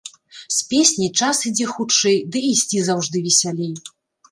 З песняй час ідзе хутчэй ды і ісці заўжды весялей.